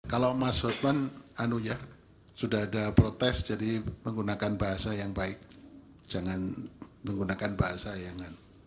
kalau mas lukman anu ya sudah ada protes jadi menggunakan bahasa yang baik jangan menggunakan bahasa yangan